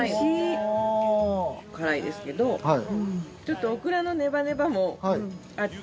辛いですけどちょっとオクラのネバネバもあって。